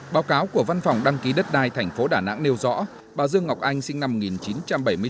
báo cáo của văn phòng đăng ký đất đai tp đà nẵng nêu rõ bà dương ngọc anh sinh năm một nghìn chín trăm bảy mươi chín